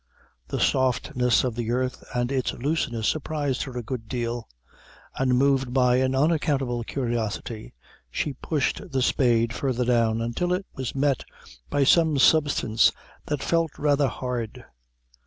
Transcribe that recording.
The softness of the earth and its looseness surprised her a good deal; and moved by an unaccountable curiosity, she pushed the spade further down, until it was met by some substance that felt rather hard.